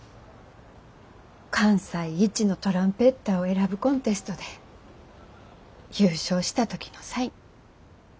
関西一のトランペッターを選ぶコンテストで優勝した時のサイン。